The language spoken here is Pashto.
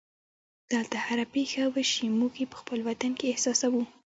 دلته هره پېښه وشي موږ یې په خپل وطن کې احساسوو.